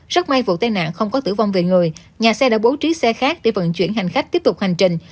rất may vụ tai nạn không có tử vong về người nhà xe đã bố trí xe khác để vận chuyển hành khách tiếp tục hành trình